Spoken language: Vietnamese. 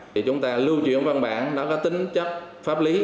thì chúng ta lưu chuyển văn bản nó có tính chất pháp lý